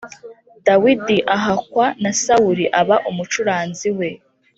Dawidi ahakwa na Sawuli aba umucuranzi we